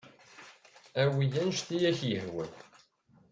Awey anect ay ak-yehwan.